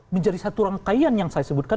menjadi satu rangkaian yang saya sebutkan